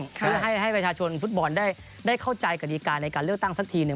เพื่อให้ประชาชนฟุตบอลได้เข้าใจกฎิกาในการเลือกตั้งสักทีหนึ่ง